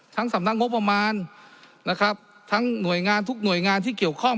สำนักงบประมาณนะครับทั้งหน่วยงานทุกหน่วยงานที่เกี่ยวข้อง